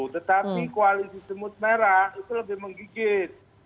tetapi koalisi semut merah itu lebih menggigit